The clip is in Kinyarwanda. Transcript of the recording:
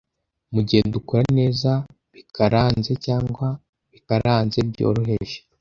mugihe dukora neza bikaranze cyangwa bikaranze byoroheje